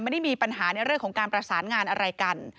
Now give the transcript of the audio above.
ไม่ได้มีปัญหาในเรื่องของการประสานงานอะไรกัน